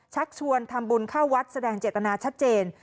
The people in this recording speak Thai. ชักชวนทำบุญเข้าวัดแสดงเจตนาชัดเจน